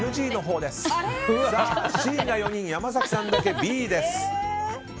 Ｃが４人、山崎さんだけＢです。